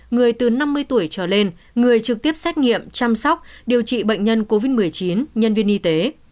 người từ năm mươi tuổi trở lên người trực tiếp xét nghiệm chăm sóc điều trị bệnh nhân covid một mươi chín nhân viên y tế